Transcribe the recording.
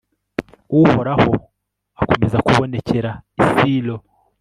uhoraho akomeza kubonekera i silo